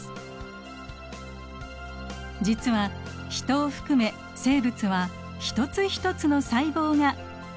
実はヒトを含め生物は一つ一つの細胞が酸素を取り込み